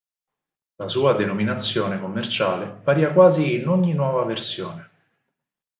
La sua denominazione commerciale varia quasi in ogni nuova versione.